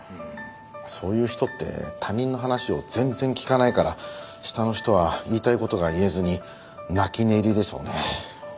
そういう人って他人の話を全然聞かないから下の人は言いたい事が言えずに泣き寝入りでしょうね。